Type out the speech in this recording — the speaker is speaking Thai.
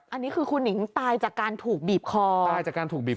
อันนี้คือคุณหนิงตายจากการถูกบีบคอตายจากการถูกบีบ